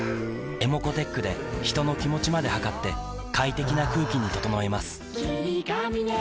ｅｍｏｃｏーｔｅｃｈで人の気持ちまで測って快適な空気に整えます